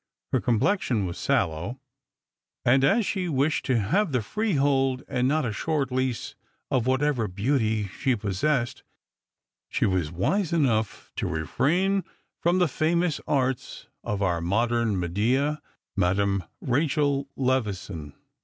Her complexion was sallow; and as she wished to have the freehold and not a short lease of whatever beauty she possessed, she was wise enough to refrain from the famous arts of our modern Medea, Madame Rachel Levison.